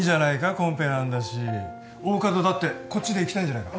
コンペなんだし大加戸だってこっちでいきたいんじゃないか？